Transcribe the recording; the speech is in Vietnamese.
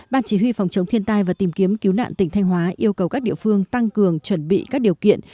ban chỉ huy phòng chống thiên tai và tìm kiếm cứu nạn tỉnh thanh hóa yêu cầu các địa phương tăng cường chuẩn bị các điều kiện